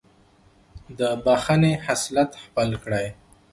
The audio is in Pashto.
د بښنې خصلت خپل کړئ.